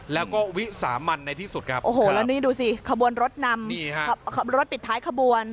แล้วก็วิสามันในที่สุดครับโอ้โหแล้วนี่ดูสิขบวนรถนำรถปิดท้ายขบวน